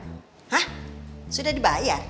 hah sudah dibayar